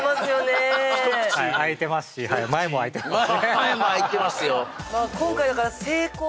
一口空いてますし前も空いてますよ